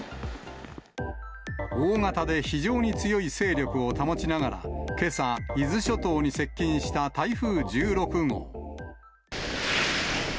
大型で非常に強い勢力を保ちながら、けさ、伊豆諸島に接近した台風１６号。